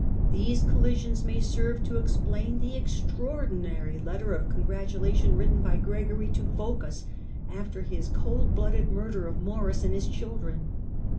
These collisions may serve to explain the extraordinary letter of congratulation written by Gregory to Phocas after his cold blooded murder of Maurice and his children.